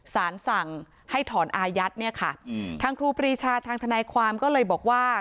สารสั่งให้ถอนอายัดเนี่ยค่ะทางครูปรีชาทางทนายความก็เลยบอกว่า